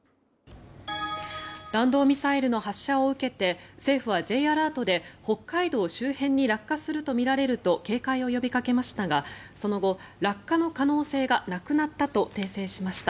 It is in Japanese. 弾道ミサイルの発射を受けて政府はＪアラートで北海道周辺に落下するとみられると警戒を呼びかけましたがその後、落下の可能性がなくなったと訂正しました。